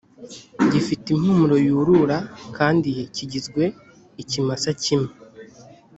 gifite impumuro yurura, kandi kigizwe ikimasa kimwe